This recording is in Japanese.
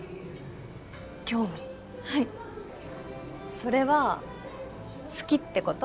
興味はいそれは好きってこと？